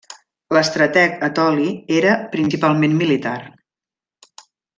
L'estrateg etoli era principalment militar.